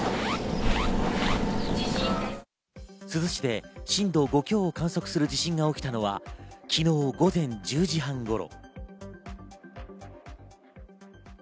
珠洲市で震度５強を観測する地震が起きたのは、昨日午前１０時半頃。